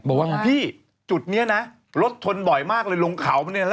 บอกว่าพี่จุดนี้นะรถชนบ่อยมากเลยลงเขาเนี่ย